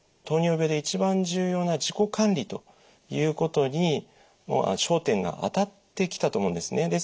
糖尿病で一番重要な自己管理ということにもう焦点が当たってきたと思うんですね。